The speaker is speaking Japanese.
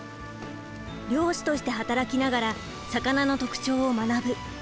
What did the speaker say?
漁師として働きながら魚の特徴を学ぶ。